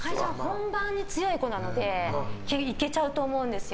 本番に強い子なのでいけちゃうと思うんですよ。